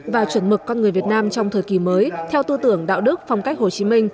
và chuẩn mực con người việt nam trong thời kỳ mới theo tư tưởng đạo đức phong cách hồ chí minh